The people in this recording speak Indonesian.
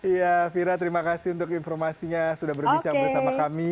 ya vira terima kasih untuk informasinya sudah berbincang bersama kami